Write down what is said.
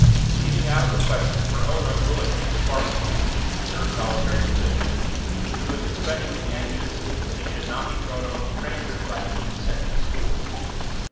Leaving out of the question her own unwillingness to part with him, in her solitary position, she was especially anxious that he should not be thrown among strangers by being sent to school.